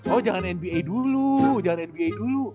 oh jangan nba dulu jangan nba dulu